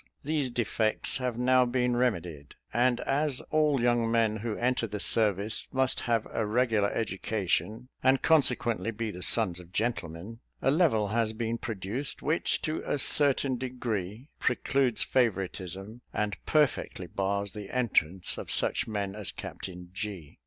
These defects have now been remedied; and as all young men who enter the service must have a regular education, and consequently be the sons of gentlemen, a level has been produced, which to a certain degree precludes favouritism, and perfectly bars the entrance to such men as Captain G